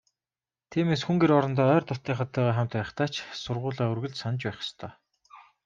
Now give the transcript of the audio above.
Тиймээс, хүн гэр орондоо ойр дотнынхонтойгоо хамт байхдаа ч сургаалаа үргэлж санаж байх ёстой.